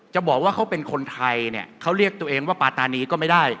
บอกว่าเขาเป็นคนไทยเนี่ยเขาเรียกตัวเองว่าปาตานีก็ไม่ได้